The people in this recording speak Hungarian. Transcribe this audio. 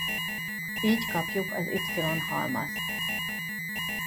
Így kapjuk az Y halmazt.